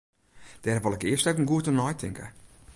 Dêr wol ik earst even goed oer neitinke.